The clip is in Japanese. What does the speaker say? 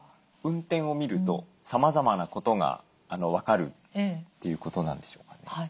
運転を見るとさまざまなことが分かるということなんでしょうかね？